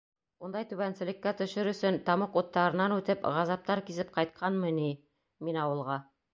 Ундай түбәнселеккә төшөр өсөн, тамуҡ уттарынан үтеп, ғазаптар кисеп ҡайтҡанмы ни мин ауылға.